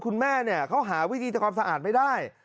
คุณแม่เขาหาวิธีทำความสะอาดไม่ได้